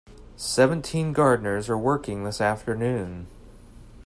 Seventeen gardeners are working this afternoon.